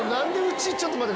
ちょっと待って。